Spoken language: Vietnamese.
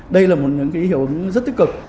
đây là một ý hiệu rất tích cực